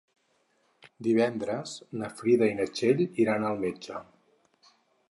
Divendres na Frida i na Txell iran al metge.